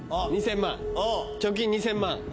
２０００万貯金２０００万。